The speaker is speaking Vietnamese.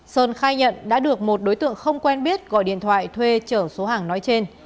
sơn khai nhận đã được một đối tượng không quen biết gọi điện thoại thuê trở số hàng nói trên